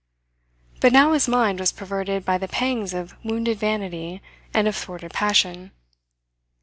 But now his mind was perverted by the pangs of wounded vanity and of thwarted passion.